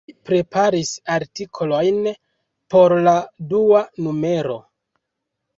Li preparis artikolojn por la dua numero.